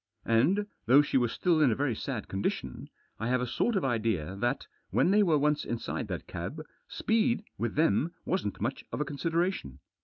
And, though she was still in a very sad condition, I have a sort of idea that, when they were once inside that cab, speed with them wasn't much of a consideration.